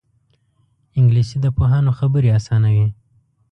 انګلیسي د پوهانو خبرې اسانوي